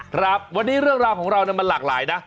ครับวันนี้เรื่องราวของเรามันหลากหลายนะ